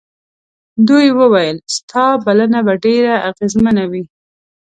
دوی وویل ستا بلنه به ډېره اغېزمنه وي.